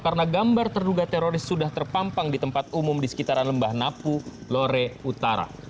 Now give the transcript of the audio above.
karena gambar terduga teroris sudah terpampang di tempat umum di sekitar lembah napu lore utara